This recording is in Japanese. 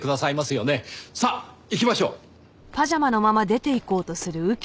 さあ行きましょう！